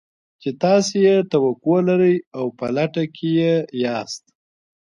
چې تاسې يې توقع لرئ او په لټه کې يې ياست.